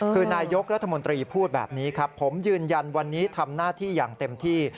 คือนายกรัฐมนตรีพูดแบบนี้ครับผมยืนยันวันนี้ทำหน้าที่อย่างเต็มที่